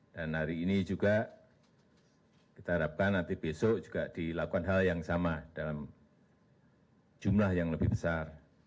dan hari ini juga kita harapkan nanti besok juga dilakukan hal yang sama dalam jumlah yang lebih besar